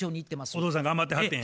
お父さん頑張ってはってんや。